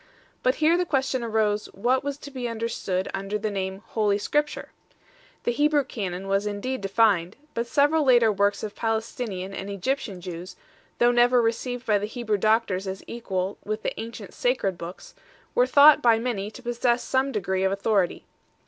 But here the question arose, what was to be under stood under the name " Holy Scripture "? The Hebrew Canon 2 was indeed defined, but several later works of Palestinian and Egyptian Jews, though never received by the Hebrew doctors as equal with the ancient Sacred Books, were thought by many to possess some degree of authority.